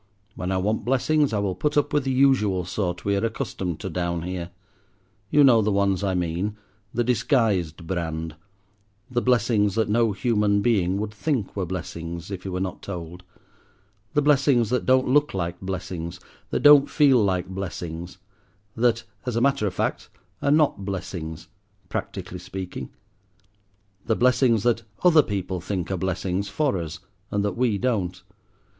When I want blessings I will put up with the usual sort we are accustomed to down here. You know the ones I mean, the disguised brand—the blessings that no human being would think were blessings, if he were not told; the blessings that don't look like blessings, that don't feel like blessings; that, as a matter of fact, are not blessings, practically speaking; the blessings that other people think are blessings for us and that we don't.